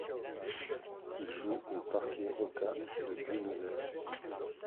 Ils jouent au Parque Roca de Buenos Aires.